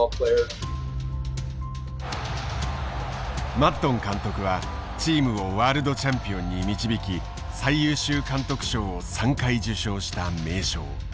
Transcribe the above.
マッドン監督はチームをワールドチャンピオンに導き最優秀監督賞を３回受賞した名将。